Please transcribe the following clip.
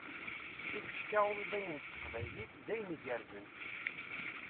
Ifecka umḍinen s teqbaylit, d ayen igerrzen!